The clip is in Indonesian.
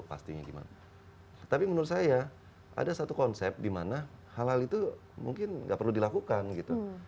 pastinya gimana tapi menurut saya ada satu konsep dimana hal hal itu mungkin nggak perlu dilakukan gitu